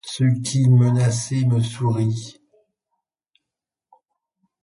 Ce qui menacé me sourit.